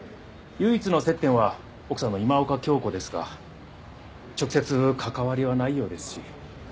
唯一の接点は奥さんの今岡鏡子ですが直接関わりはないようですし。